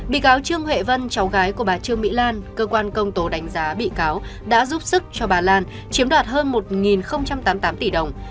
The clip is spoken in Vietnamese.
bị cáo trương huệ vân cháu gái của bà trương mỹ lan cơ quan công tố đánh giá bị cáo đã giúp sức cho bà lan chiếm đoạt hơn một tám mươi tám tỷ đồng